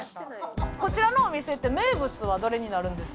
こちらのお店って名物はどれになるんですか？